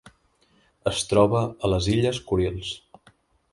Es troba a les Illes Kurils.